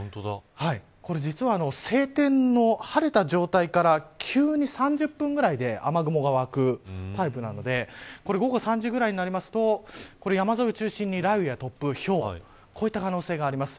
これ実は晴天の晴れた状態から急に３０分ぐらいで雨雲が湧くタイプなので午後３時ぐらいになると山沿いを中心に、雷雨や突風ひょうになる可能性があります。